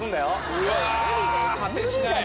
うわ果てしない。